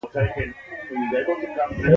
سمندري قوې ته خطرونه متوجه سوي وای.